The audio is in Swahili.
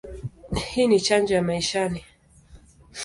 Hii ni chanjo ya maishani.